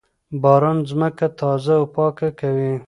باران ځمکه تازه او پاکه کوي.